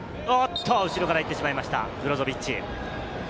後ろから行ってしまいました、ブロゾビッチ。